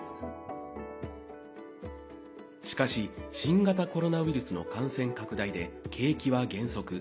しかし、新型コロナウイルスの感染拡大で景気は減速。